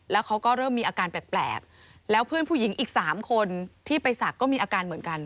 แล้วเขาก็เริ่มมีอาการแปลกแล้วเพื่อนผู้หญิงอีก๓คนที่ไปศักดิ์ก็มีอาการเหมือนกัน